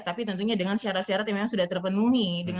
tapi tentunya dengan syarat syarat yang memang sudah terpenuhi